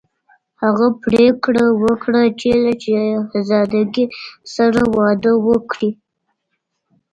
هغه پریکړه وکړه چې له شهزادګۍ سره واده وکړي.